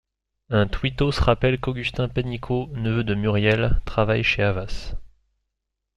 Un tweetos rappelle qu'Augustin Pénicaud, neveu de Muriel, travaille chez Havas.